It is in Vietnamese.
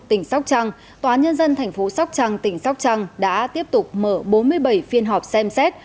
tỉnh sóc trăng tòa nhân dân thành phố sóc trăng tỉnh sóc trăng đã tiếp tục mở bốn mươi bảy phiên họp xem xét